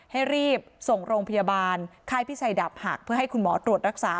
ให้รีบส่งโรงพยาบาลค่ายพิชัยดับหักเพื่อให้คุณหมอตรวจรักษา